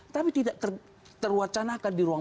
tapi tidak terwacanakan di ruang